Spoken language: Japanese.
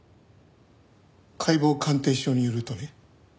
解剖鑑定書によるとね